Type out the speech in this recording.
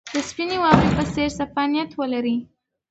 د سپینې واورې په څېر صفا نیت ولرئ.